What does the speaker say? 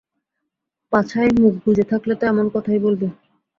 পাছায় মুখ গুজে থাকলে তো এমন কথাই বলবে।